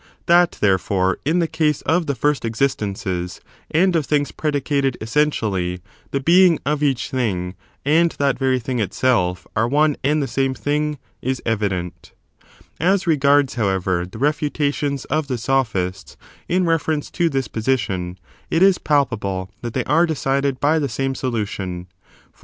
That, therefore, in the case of the first existences, and of things predicated essentially, the being of each thing, and that very thing itself, are one and the same thing is evident. As regards, however, the refutations of t^e « n rtai sophists in reference to this position, it is palpable futations of^e that they are decided by the same solution; for J^S^^the^?